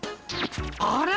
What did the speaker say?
あれ？